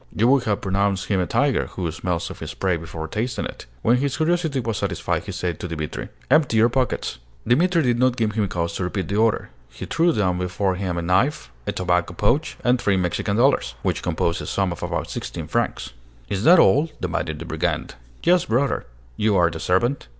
You would have pronounced him a tiger, who smells of his prey before tasting it. When his curiosity was satisfied, he said to Dimitri, "Empty your pockets!" Dimitri did not give him cause to repeat the order: he threw down before him a knife, a tobacco pouch, and three Mexican dollars, which compose a sum of about sixteen francs. "Is that all?" demanded the brigand. "Yes, brother." "You are the servant?"